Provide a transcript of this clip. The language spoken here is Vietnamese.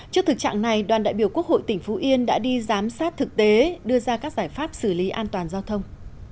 trước thực trạng này đoàn đại biểu quốc hội tỉnh phú yên đã đi giám sát thực tế đưa ra các giải pháp xử lý an toàn giao thông